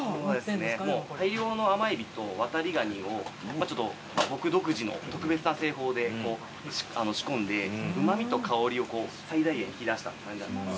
大量の甘エビとワタリガニを僕独自の特別な製法で仕込んでうま味と香りを最大限引き出した。